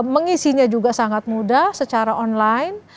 mengisinya juga sangat mudah secara online